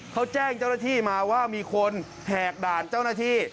เขาแจ้งเจ้าหน้าที่มาว่ามีคนแหกด่านเจ้าหน้าที่